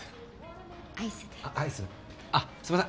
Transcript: あっすみません。